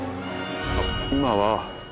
今は。